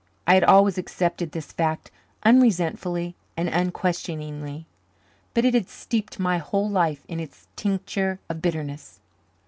I had always accepted this fact unresentfully and unquestioningly, but it had steeped my whole life in its tincture of bitterness.